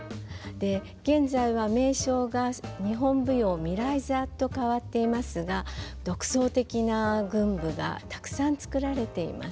現在は名称が日本舞踊未来座と変わっていますが独創的な群舞がたくさん作られています。